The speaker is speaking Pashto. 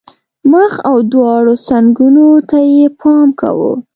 مخ او دواړو څنګونو ته یې پام کاوه.